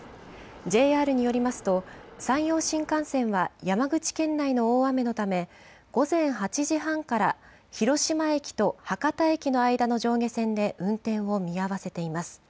ＪＲによりますと山陽新幹線は山口県内の大雨のため午前８時半から広島駅と博多駅の間の上下線で運転を見合わせています。